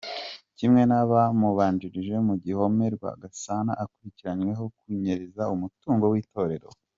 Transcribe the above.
Kimwe n’abamubanjirije mu gihome, Rwagasana akurikiranyweho kunyereza umutungo w’itorero.